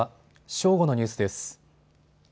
正午のニュースです。